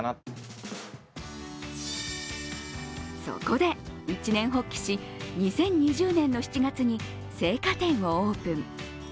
そこで一念発起し、２０２０年の７月に青果店をオープン。